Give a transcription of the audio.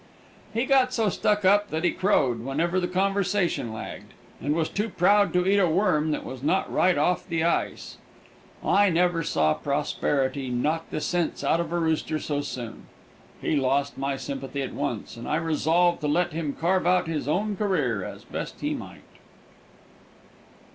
He got so stuck up that he crowed whenever the conversation lagged, and was too proud to eat a worm that was not right off the ice. I never saw prosperity knock the sense out of a rooster so soon. He lost my sympathy at once, and I resolved to let him carve out his own career as best he might.